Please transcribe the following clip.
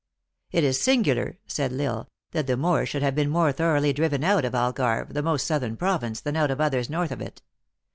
" It is singular," said L Isle, " that the Moors should have been more thoroughly driven out of Algarve, the most southern province, than out of others north of it.